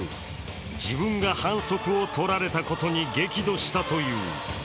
自分が反則をとられたことに激怒したという。